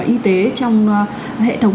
y tế trong hệ thống